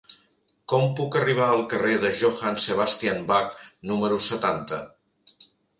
Com puc arribar al carrer de Johann Sebastian Bach número setanta?